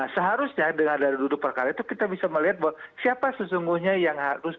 seharusnya dengan ada duduk perkara itu kita bisa melihat bahwa siapa sesungguhnya yang harus